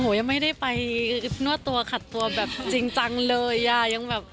ท้องยังไม่ได้ไปนวดตัวขัดตัวจริงจังเลยค่ะ